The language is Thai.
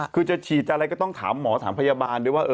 คือจะฉีดอะไรก็ต้องถามหมอถามพยาบาลด้วยว่า